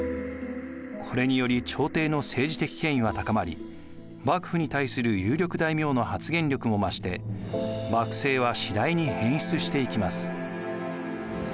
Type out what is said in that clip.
これにより朝廷の政治的権威は高まり幕府に対する有力大名の発言力も増して幕政は次第に変質していきます。